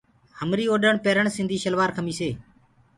هميرو اوڏڻ پيرڻ سنڌي سلوآر ڪمج هي۔